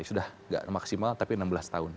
sudah tidak maksimal tapi enam belas tahun